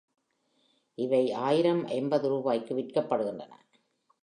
இவை ஆயிரம், ஐம்பது ரூபாய்க்கு விற்கப்படுகின்றன.